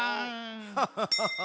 ハハハハッ。